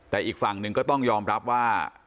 แต่อีกฝั่งหนึ่งก็ต้องยอมรับว่า